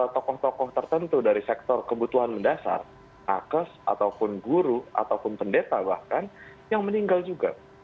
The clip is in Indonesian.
tokoh tokoh tertentu dari sektor kebutuhan mendasar nakes ataupun guru ataupun pendeta bahkan yang meninggal juga